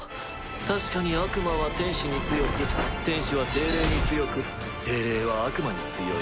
確かに悪魔は天使に強く天使は精霊に強く精霊は悪魔に強い。